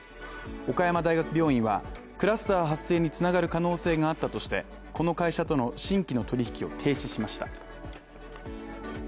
岡山大学病院はクラスター発生につながる可能性があったとして、この会社との新規の取引きを停止しました。